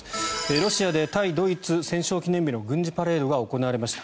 ロシアで対ドイツ戦勝記念日の軍事パレードが行われました。